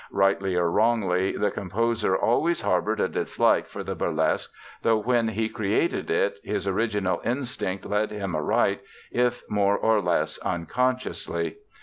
Rightly or wrongly the composer always harbored a dislike for the Burleske though when he created it his original instinct led him aright, if more or less unconsciously.